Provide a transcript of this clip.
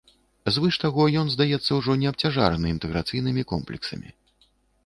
Звыш таго, ён, здаецца, ужо не абцяжараны інтэграцыйнымі комплексамі.